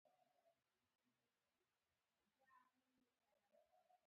یو کوچنی خوراک د لویو احساساتو نښه کېدای شي.